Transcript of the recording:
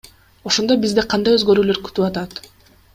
Ошондо бизди кандай өзгөрүүлөр күтүп атат?